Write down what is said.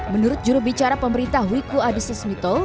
menurut jurubicara pemerintah wiku adhisesmito